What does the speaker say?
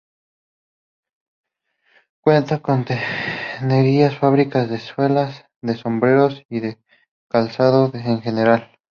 Cuenta con tenerías, fábricas de suela, de sombreros y de calzado en general.